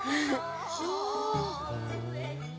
はあ。